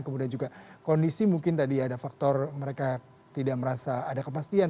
kemudian juga kondisi mungkin tadi ada faktor mereka tidak merasa ada kepastian